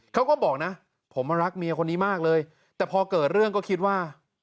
เขาก็บอกนะผมรักเมียคนนี้มากเลยแต่พอเกิดเรื่องก็คิดว่า